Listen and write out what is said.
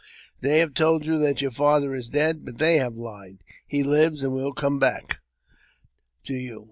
" They have told you that your father is dead, but they have hed; he lives, and will come back to you.